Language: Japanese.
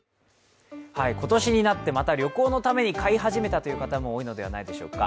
今年になってまた旅行のために買い始めたという方も多いのではないでしょうか。